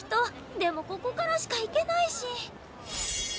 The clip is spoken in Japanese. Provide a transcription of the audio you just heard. でもここからしか行けないし。